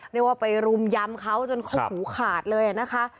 เรียกว่าไปรุมยำเขาจนเขาหูขาดเลยนะคะ